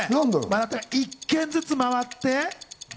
１軒ずつ回って？